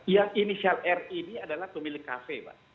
yang inisial ri ini adalah pemilik kafe mbak